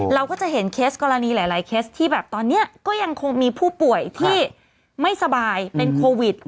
เราก็จะเห็นเคสกรณีหลายเคสที่แบบตอนนี้ก็ยังคงมีผู้ป่วยที่ไม่สบายเป็นโควิด